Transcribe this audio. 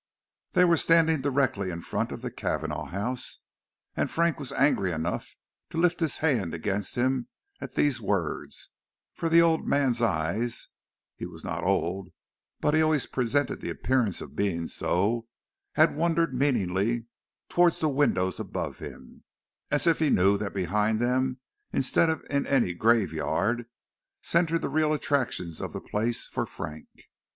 They were standing directly in front of the Cavanagh house and Frank was angry enough to lift his hand against him at these words, for the old man's eyes he was not old but he always presented the appearance of being so had wandered meaningly towards the windows above him, as if he knew that behind them, instead of in any graveyard, centred the real attractions of the place for Frank.